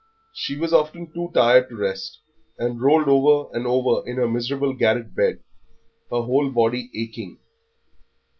She was often too tired to rest, and rolled over and over in her miserable garret bed, her whole body aching.